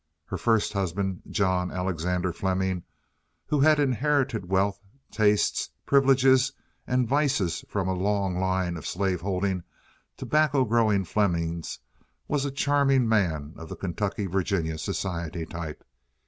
Her first husband, John Alexander Fleming, who had inherited wealth, tastes, privileges, and vices from a long line of slave holding, tobacco growing Flemings, was a charming man of the Kentucky Virginia society type.